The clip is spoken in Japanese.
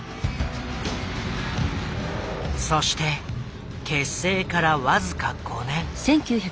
そして結成から僅か５年。